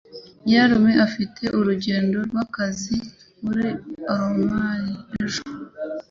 Nyirarume afite urugendo rwakazi muri Aomori ejo.